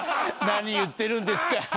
何言ってるんですか。